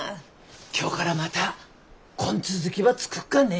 今日からまたこん続きば作っかね。